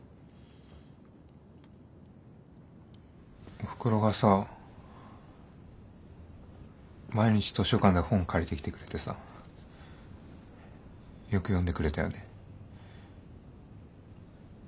おふくろがさ毎日図書館で本借りてきてくれてさよく読んでくれたよね。